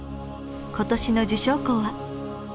今年の受賞校は？